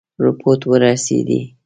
رپوټ ورسېدی.